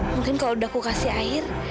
mungkin kalau udah aku kasih air